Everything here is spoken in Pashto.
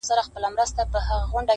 o پور پر غاړه، مېږ مرداره٫